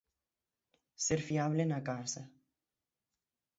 Ser fiable na casa.